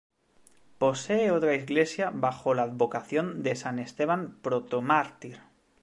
Posee otra iglesia bajo la advocación de San Esteban Protomártir.